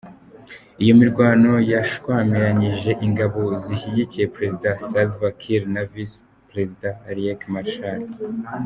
Iyo mirwano yashyamiranyije ingabo zishyigikiye Perezida Salva Kiir, na Visi Perezida Riek Machar.